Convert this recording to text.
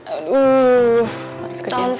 aduh harus kerja sama tante